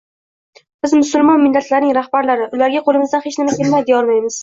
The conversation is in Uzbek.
Biz, musulmon millatlarning rahbarlari, ularga qo‘limizdan hech nima kelmaydi deya olmaymiz